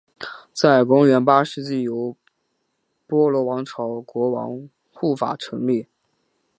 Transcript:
在公元八世纪由波罗王朝国王护法成立。